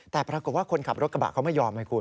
แต่ปรากฏว่าคนขับรถกระบะเขาไม่ยอมให้คุณ